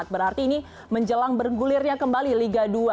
berarti ini menjelang bergulirnya kembali liga dua